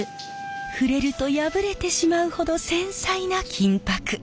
触れると破れてしまうほど繊細な金箔。